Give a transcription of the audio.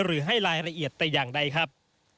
หรือให้รายละเอียดแต่อย่างใดครับ